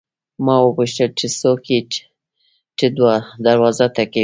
ما وپوښتل چې څوک یې چې دروازه ټکوي.